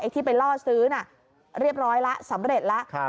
ที่ไปล่อซื้อน่ะเรียบร้อยแล้วสำเร็จแล้ว